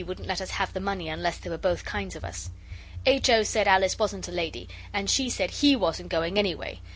wouldn't let us have the money unless there were both kinds of us. H. O. said Alice wasn't a lady; and she said he wasn't going, anyway.